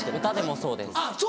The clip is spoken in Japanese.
歌でもそうです。